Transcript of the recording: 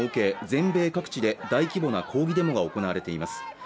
全米各地で大規模な抗議デモが行われています